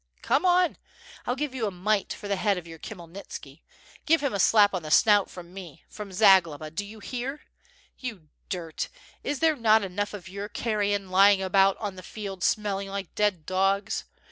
Come on I I'll give you a mite for the head of your Khmyelnitski. Give him a slap on the snout from me, from Zagloba, do you hear? You dirt! Is there not enough of your carrion lying about on the field smelling like dead dogs?